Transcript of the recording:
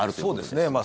そうですね。